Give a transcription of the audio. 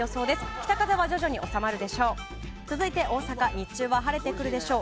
北風は徐々に収まるでしょう。